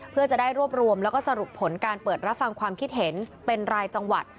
เพื่อจะได้รวบรวมแล้วก็สรุปผลการเปิดรับฟังความคิดเห็นเป็นรายจังหวัด